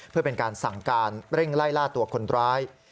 เพื่อเป็นการสั่งการเร่งไล่ล่าตัวคนร้าย